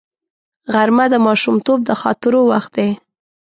غرمه د ماشومتوب د خاطرو وخت دی